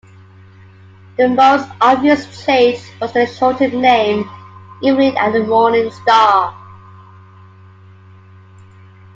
The most obvious change was the shortened name, Evening and Morning Star.